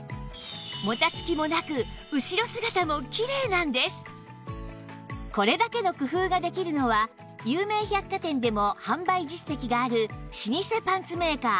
もたつきもなくこれだけの工夫ができるのは有名百貨店でも販売実績がある老舗パンツメーカー